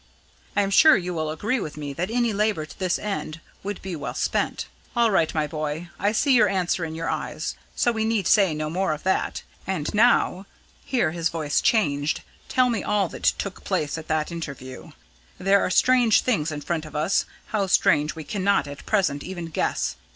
I am sure you will agree with me that any labour to this end would be well spent. All right, my boy! I see your answer in your eyes; so we need say no more of that. And now," here his voice changed, "tell me all that took place at that interview. There are strange things in front of us how strange we cannot at present even guess.